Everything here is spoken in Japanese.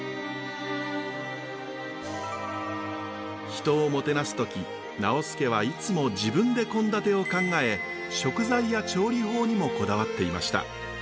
人をもてなす時直弼はいつも自分で献立を考え食材や調理法にもこだわっていました。